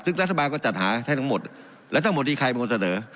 ซึ่งรัฐบาลก็จัดหาให้ทั้งหมดและทั้งหมดนี้ใครเป็นคนเสนอ